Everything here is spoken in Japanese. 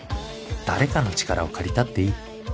誰かの力を借りたっていい。